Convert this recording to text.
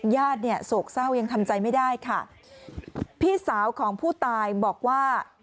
ญาติเนี่ยโศกเศร้ายังทำใจไม่ได้ค่ะพี่สาวของผู้ตายบอกว่า